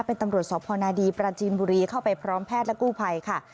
เป็นตำรวจสพนดีปราจีนบุรีเข้าไปพร้อมแพทย์และกู้ภัยค่ะ